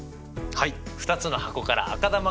はい。